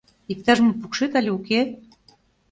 Иктаж-мом пукшет але уке?